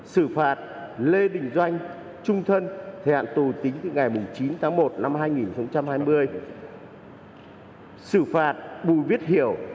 sử phạt lê đình công tờ hình